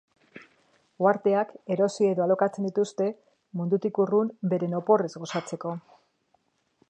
Uharteak erosi edo alokatzen dituzte, mundutik urrun beren oporrez gozatzeko.